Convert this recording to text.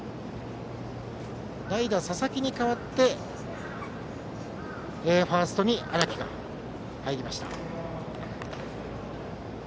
代打、佐々木に代わってファーストに荒木が入りました。